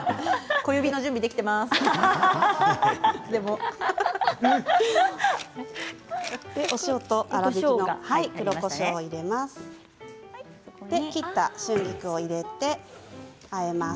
小指の準備、できています